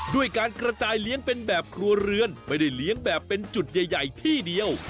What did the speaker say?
ด้วยการกระจายเลี้ยงเป็นแบบครัวเรือนไม่ได้เลี้ยงแบบเป็นจุดใหญ่ที่เดียว